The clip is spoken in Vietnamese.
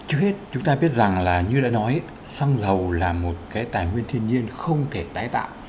trước hết chúng ta biết rằng là như đã nói xăng dầu là một cái tài nguyên thiên nhiên không thể tái tạo